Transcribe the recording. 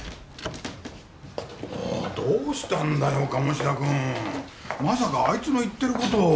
もうどうしたんだよ鴨志田くん。まさかあいつの言ってる事を。